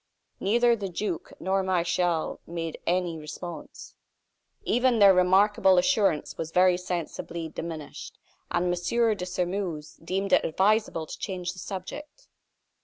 Neither the duke nor Martial made any response. Even their remarkable assurance was very sensibly diminished; and M. de Sairmeuse deemed it advisable to change the subject.